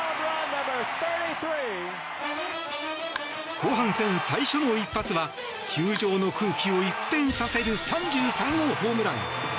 後半戦最初の一発は球場の空気を一変させる３３号ホームラン。